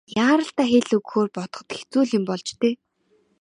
Яаралтай хэл өгөхөөр бодоход хэцүү л юм болж дээ.